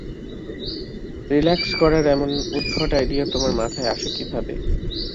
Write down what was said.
Relax করার এমন উদ্ভট আইডিয়া তোমার মাথায় আসে কিভাবে!